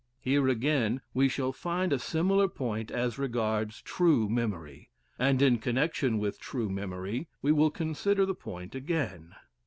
Here, again, we shall find a similar point as regards true memory; and in connection with true memory we will consider the point again.